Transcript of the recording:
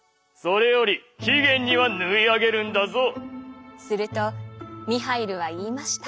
それより期限には縫いあげるんだぞ」。